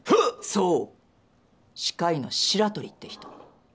そう歯科医の白鳥って人。